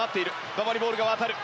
馬場にボールが渡る。